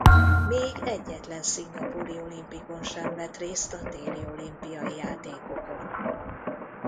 Még egyetlen szingapúri olimpikon sem vett részt a téli olimpiai játékokon.